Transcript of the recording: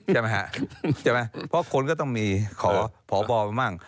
ใช่ไหมครับเพราะคนก็ต้องมีขอพบมาบ้าง